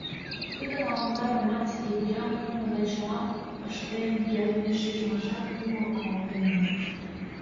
Тудын ала-могай романтике, виян-улмо да чылам ыштен кертме шижмашан кумыл авалтен ыле.